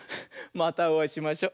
またおあいしましょ。